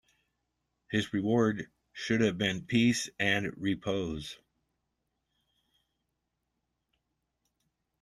His reward should have been peace and repose.